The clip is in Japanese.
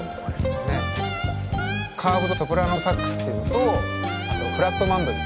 カーブドソプラノサックスっていうのとあとフラットマンドリン。